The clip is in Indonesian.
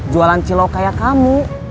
jualan cilok kayak kamu